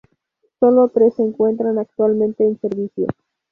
Sólo tres se encuentran actualmente en servicio.